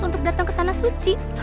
untuk datang ke tanah suci